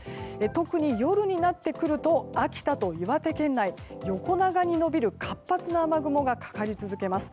特に夜になってくると秋田と岩手県内横長に延びる活発な雨雲がかかり続けます。